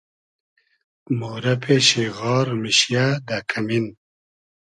مورۂ پېشی غار میشیۂ دۂ کئمین